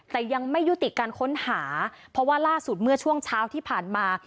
แต่ยังไม่ยุติการค้นหาเพราะว่าล่าสุดเมื่อช่วงเช้าที่ผ่านมา